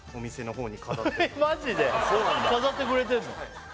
飾ってくれてんの？